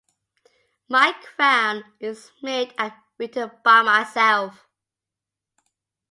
My crown is made and written by myself.